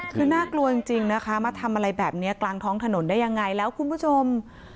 คือน่ากลัวจริงนะคะมาทำอะไรแบบนี้กลางท้องถนนได้ยังไงแล้วคุณผู้ชม